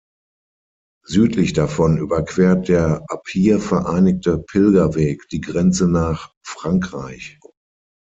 Südlich davon überquert der ab hier vereinigte Pilgerweg die Grenze nach Frankreich.